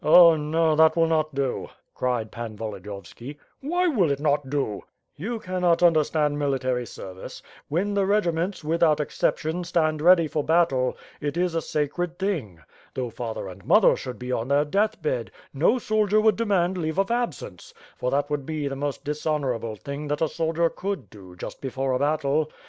"Oh, no, that will not do," cried Pan Volodiyovski. "Why will it not do?" "You cannot understand military service. When the r^ ments, without exception, etand ready for battle, it is a sacred thing. Though father and mother should be on their deathbed, no soldier would demand leave of absence; for that would be the most dishonorable thing that a soldier could do, just before a battle.